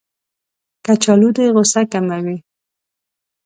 کچالو د غوسه کموي